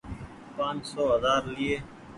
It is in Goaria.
پآن سو هزآر ليئي۔